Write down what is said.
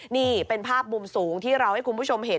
นี่เป็นภาพมุมสูงที่เราให้คุณผู้ชมเห็น